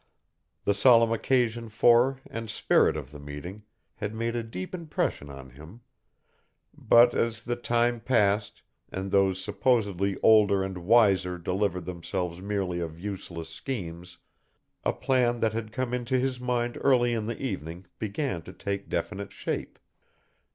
The solemn occasion for and spirit of the meeting had made a deep impression on him; but, as the time passed and those supposedly older and wiser delivered themselves merely of useless schemes, a plan that had come into his mind early in the evening began to take definite shape.